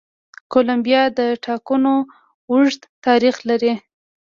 کولمبیا د ټاکنو اوږد تاریخ لري.